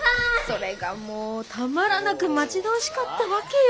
それがもうたまらなく待ち遠しかったわけよ。